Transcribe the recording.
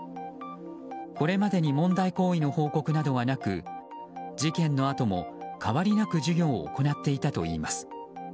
これまでに問題行為の報告などはなく事件のあとも、変わりなく授業を行っていたといいます。